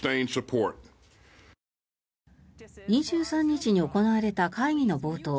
２３日に行われた会議の冒頭